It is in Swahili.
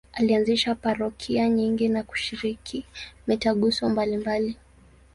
Alianzisha parokia nyingi na kushiriki mitaguso mbalimbali.